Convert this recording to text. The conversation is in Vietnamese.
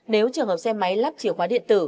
nếu trường hợp xe máy lắp chìa khóa điện tử